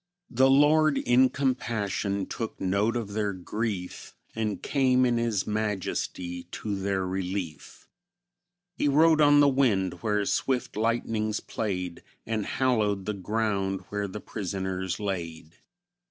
The Lord, in compassion, took note of their grief, And came, in His majesty, to their relief; He rode on the wind, where swift lightnings played, And hallowed the ground where the prisoners laid.